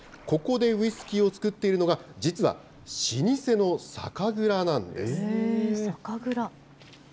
ここでウイスキーを造っているのが、実は、老舗の酒蔵なんです。